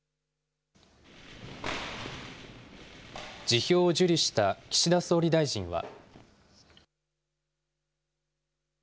辞表を受理した岸田総理大臣は。